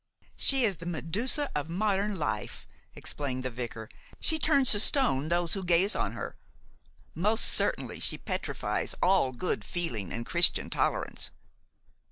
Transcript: "She is the Medusa of modern life," explained the vicar. "She turns to stone those who gaze on her. Most certainly she petrifies all good feeling and Christian tolerance.